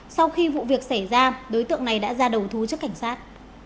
sau khi vụ việc xảy ra đối tượng này đã ra đầu thú trước cảnh sát